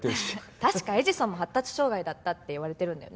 確かエジソンも発達障害だったっていわれてるんだよね。